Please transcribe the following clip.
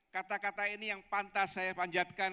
kata kata ini yang pantas saya panjatkan